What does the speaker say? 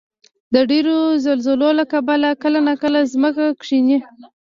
د ډېرو زلزلو له کبله کله ناکله ځمکه کښېني.